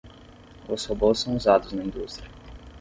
Os robôs são usados na indústria